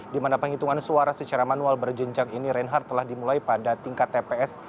di mana penghitungan suara secara manual berjenjang ini reinhard telah dimulai pada tingkat tps